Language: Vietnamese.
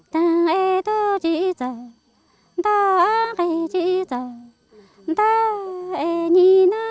đã gây gọi